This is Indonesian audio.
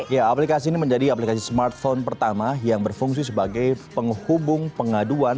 ya aplikasi ini menjadi aplikasi smartphone pertama yang berfungsi sebagai penghubung pengaduan